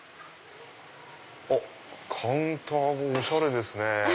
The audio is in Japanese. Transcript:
あっカウンターもおしゃれですね。